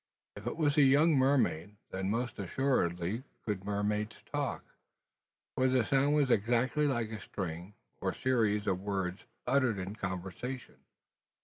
If it was a young mermaid, then most assuredly could mermaids talk: for the sound was exactly like a string or series of words uttered in conversation!